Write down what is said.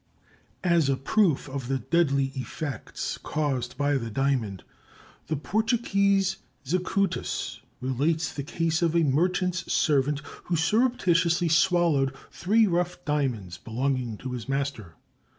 As a proof of the deadly effects caused by the diamond, the Portuguese Zacutus relates the case of a merchant's servant who surreptitiously swallowed three rough diamonds belonging to his master.